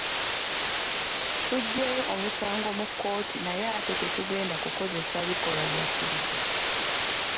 Tuggyeeyo omusango mu kkooti naye ate tetugenda kukozesa bikolwa byaffujjo.